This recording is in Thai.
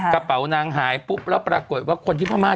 กระเป๋านางหายปุ๊บแล้วปรากฏว่าคนที่พม่า